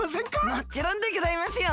もちろんでギョざいますよ！